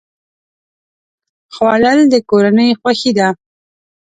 خوړل د کورنۍ خوښي ده